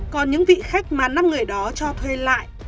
còn những vị khách mà năm người đó cho thuê lại